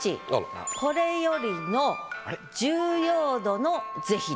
７「これより」の重要度の是非です。